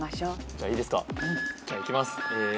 じゃあいきます。